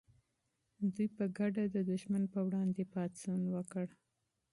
دوی په ګډه د دښمن پر وړاندې پاڅون وکړ.